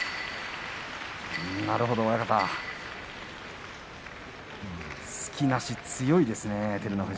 なるほど、親方隙なし、強いですね照ノ富士。